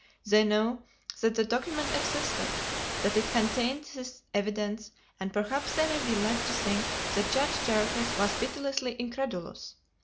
They know that the document existed; that it contained this evidence; and perhaps they may be led to think that Judge Jarriquez was pitilessly incredulous.